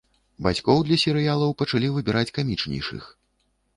Бацькоў для серыялаў пачалі выбіраць камічнейшых.